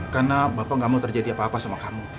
karena bapak gak mau terjadi apa apa sama kamu